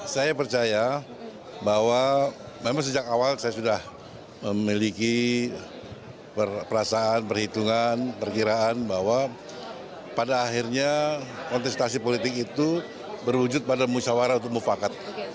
sejak awal saya sudah memiliki perasaan perhitungan perkiraan bahwa pada akhirnya kontestasi politik itu berwujud pada musawarah untuk mufakat